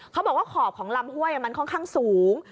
เขาบอกว่าขอบของลำห้วยมันค่อนข้างสูง